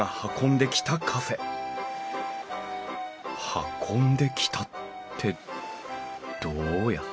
運んできたってどうやって？